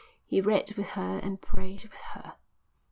He read with her and prayed with her.